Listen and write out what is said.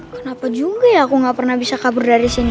kenapa juga ya aku nggak pernah bisa kabur dari sini